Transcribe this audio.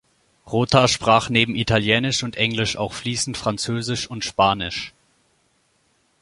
Rota sprach neben Italienisch und Englisch auch fließend Französisch und Spanisch.